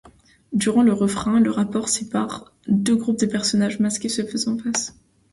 Durant le refrain, le rappeur sépare deux groupes de personnages masqués se faisant face.